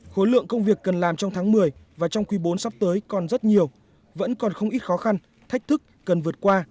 khối lượng công việc cần làm trong tháng một mươi và trong quý bốn sắp tới còn rất nhiều vẫn còn không ít khó khăn thách thức cần vượt qua